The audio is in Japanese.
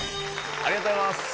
ありがとうございます。